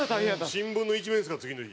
新聞の１面ですから次の日。